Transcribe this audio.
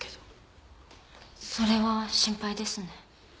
それは心配ですね。